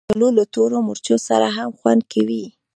کچالو له تورو مرچو سره هم خوند کوي